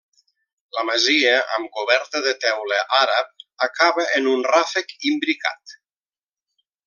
La masia amb coberta de teula àrab acaba en un ràfec imbricat.